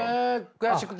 悔しくて。